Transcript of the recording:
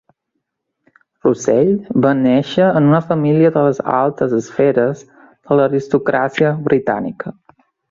Russell va néixer en una família de les altes esferes de l'aristocràcia britànica.